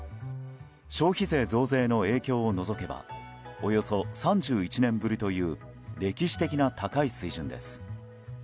消費税増税の影響を除けばおよそ３１年ぶりという歴史的な高い水準です。